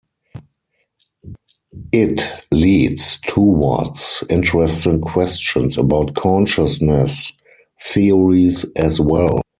It leads towards interesting questions about consciousness theories as well.